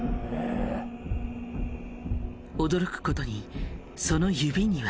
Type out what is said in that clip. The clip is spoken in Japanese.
驚くことにその指には。